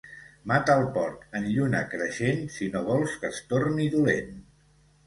Mata el porc en lluna creixent, si no vols que es torni dolent.